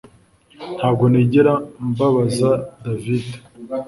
Ntabwo nigera mbabaza David